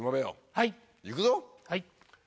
はい。